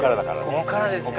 こっからですか。